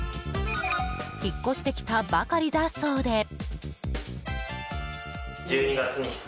引っ越してきたばかりだそうで。